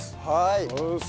はい。